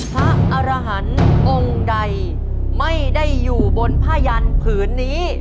พระอรหันต์องค์ใดไม่ได้อยู่บนผ้ายันผืนนี้